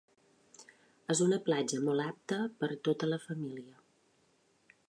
És una platja molt apta per a tota la família.